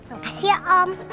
makasih ya om